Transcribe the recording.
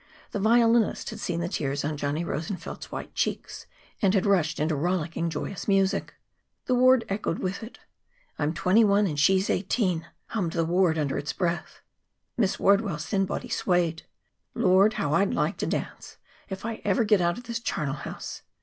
The violinist had seen the tears on Johnny Rosenfeld's white cheeks, and had rushed into rollicking, joyous music. The ward echoed with it. "I'm twenty one and she's eighteen," hummed the ward under its breath. Miss Wardwell's thin body swayed. "Lord, how I'd like to dance! If I ever get out of this charnel house!"